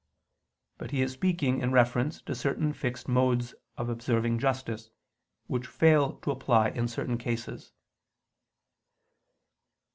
But he is speaking in reference to certain fixed modes of observing justice, which fail to apply in certain cases.